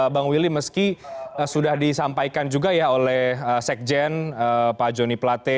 bang willy meski sudah disampaikan juga ya oleh sekjen pak joni plate